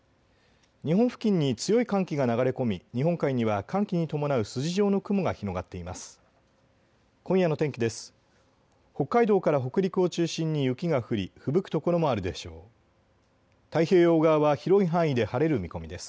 日本付近に強い寒気が流れ込み日本海には寒気に伴う筋状の雲が広がっています。